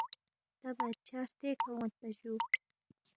تا بادشاہ ہرتے کھہ اون٘یدپا جُو